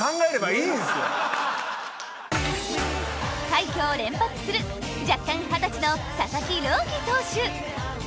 快挙を連発する弱冠二十歳の佐々木朗希投手。